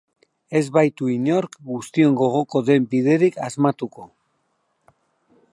Ez baitu inork guztion gogoko den biderik asmatuko.